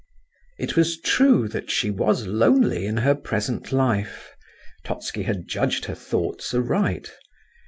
It was true that she was lonely in her present life; Totski had judged her thoughts aright.